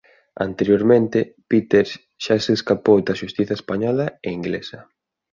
Anteriormente Peters xa se escapou da xustiza española e inglesa.